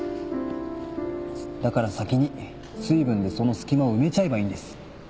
だから先に水分でその隙間を埋めちゃえばいいんです。